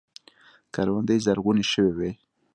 کروندې زرغونې شوې وې.